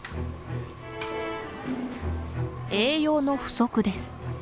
栄養の不足です。